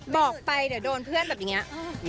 บอกไปเดี๋ยวโดนเพื่อนแบบอย่างนี้